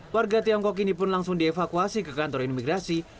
warga tiongkok ini pun langsung dievakuasi ke kantor imigrasi